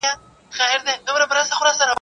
لا ویده پښتون له ځانه بېخبر دی.